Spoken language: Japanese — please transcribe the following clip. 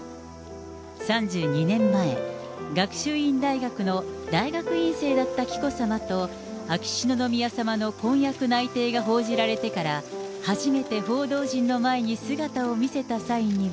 ３２年前、学習院大学の大学院生だった紀子さまと、秋篠宮さまの婚約内定が報じられてから、初めて報道陣の前に姿を見せた際には。